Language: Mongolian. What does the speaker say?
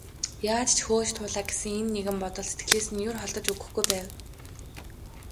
Яаж ч хөөж туулаа гэсэн энэ нэгэн бодол сэтгэлээс нь ер холдож өгөхгүй байв.